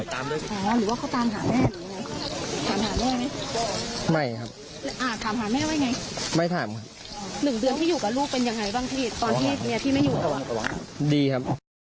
ถามหาเมื่อไหมอ่าถามหาแม่ไว้ไงหนึ่งเดือนที่อยู่กับลูกเป็นยังไงบ้างพี่ตอนที่เมียที่ไม่อยู่กับว่าดีครับ